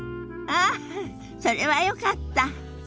ああそれはよかった。